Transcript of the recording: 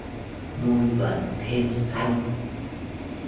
Muôn vật thêm xanh